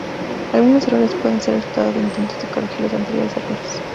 Algunos errores pueden ser el resultado de intentos de corregir los anteriores errores.